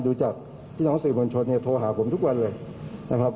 ดูจากพี่น้องสื่อมวลชนเนี่ยโทรหาผมทุกวันเลยนะครับ